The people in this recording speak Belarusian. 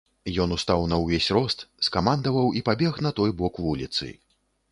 Ён устаў на ўвесь рост, скамандаваў і пабег на той бок вуліцы.